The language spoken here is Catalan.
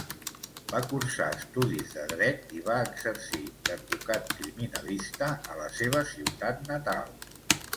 Va cursar estudis de Dret i va exercir d'advocat criminalista a la seva ciutat natal.